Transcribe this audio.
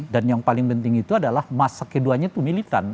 dan yang paling penting itu adalah masa keduanya itu militan